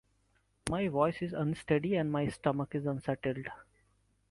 My voice is unsteady and my stomach is unsettled.